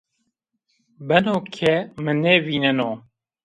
Beno ke mi nêvîneno